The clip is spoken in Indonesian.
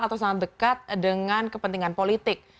atau sangat dekat dengan kepentingan politik